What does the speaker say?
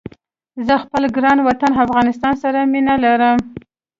زه خپل ګران وطن افغانستان سره مينه ارم